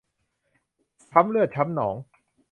ช้ำเลือดช้ำหนอง